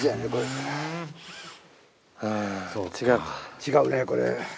違うねこれ。